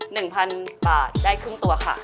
หนึ่งพันบาทได้ครึ่งตัวค่ะ